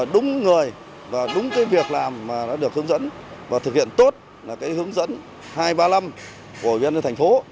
đúng người và đúng việc làm được hướng dẫn và thực hiện tốt hướng dẫn hai ba năm của ủy ban nhân dân thành phố